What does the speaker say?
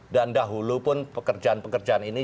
dan dahulu pun pekerjaan pekerjaan ini